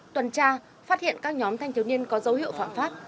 tuần tra phát hiện các nhóm thanh thiếu niên có dấu hiệu phạm pháp